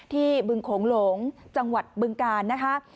บึงโขงหลงจังหวัดบึงกาลนะคะ